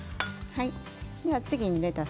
はい。